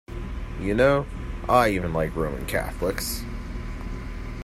You know, I even like Roman Catholics.